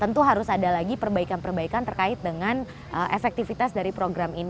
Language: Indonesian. tentu harus ada lagi perbaikan perbaikan terkait dengan efektivitas dari program ini